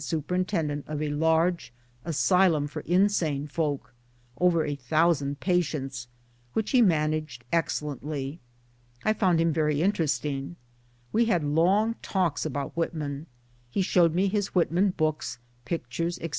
f superintendent of a large Asylum for Insane folk over a thousand patients which he managed ex cellently. I found him very interesting. We had long talks about Whitman ; he showed me his Whit man books, pictures, etc.